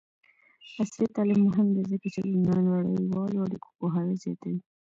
عصري تعلیم مهم دی ځکه چې د نړیوالو اړیکو پوهاوی زیاتوي.